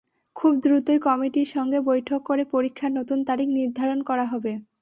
খুব দ্রুতই কমিটির সঙ্গে বৈঠক করে পরীক্ষার নতুন তারিখ নির্ধারণ করা হবে।